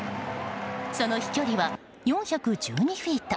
その飛距離は４１２フィート。